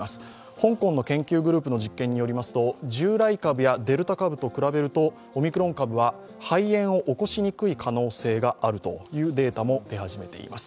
香港の研究グループの実験によりますと、従来株やデルタ株と比べるとオミクロン株は肺炎を起こしにくい可能性があるというデータも出始めています。